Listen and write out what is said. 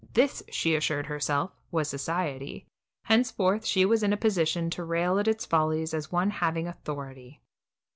This, she assured herself, was society; henceforth she was in a position to rail at its follies as one having authority.